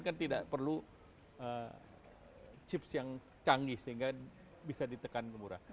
kan tidak perlu chips yang canggih sehingga bisa ditekan ke murah